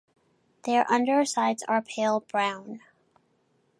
Their undersides are pale brown.